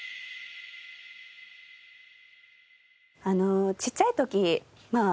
あのちっちゃい時まあ